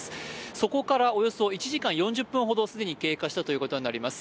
そこからおよそ１時間４０分ほど経過したことになります。